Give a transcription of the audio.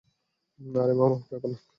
আরে মামা, ব্যাপার না।